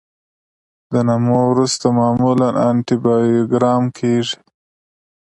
د نمو وروسته معمولا انټي بایوګرام کیږي.